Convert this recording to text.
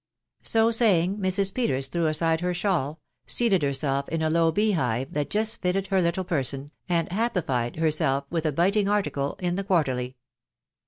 So saying, Mrs. Peters threw amide her shawl, seated herself in a low bee hive that just fitted her little person, and " hap* pined " herself with a biting article in the Quarterly.